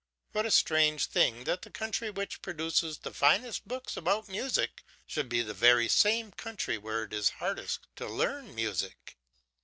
What a strange thing that the country which produces the finest books about music should be the very country where it is hardest to learn music!